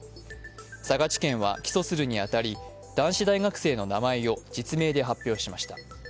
佐賀地検は起訴するに当たり男子大学生の名前を実名で発表しました。